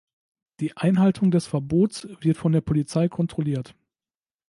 Die Einhaltung des Verbots wird von der Polizei kontrolliert.